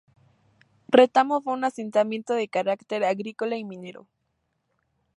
Retamo fue un asentamiento de carácter agrícola y minero.